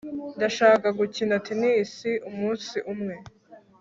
ndashaka gukina tennis umunsi umwe